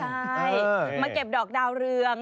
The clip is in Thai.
ใช่มาเก็บดอกดาวเรือง